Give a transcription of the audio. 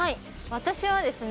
私はですね